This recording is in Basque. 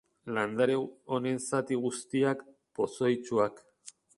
Landare honen zati guztiak pozoitsuak.